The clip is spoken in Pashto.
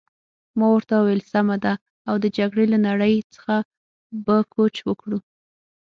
ما ورته وویل: سمه ده، او د جګړې له نړۍ څخه به کوچ وکړو.